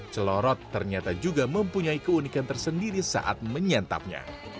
celorot ternyata juga mempunyai keunikan tersendiri saat menyantapnya